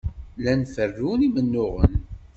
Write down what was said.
Llan ferrun imennuɣen.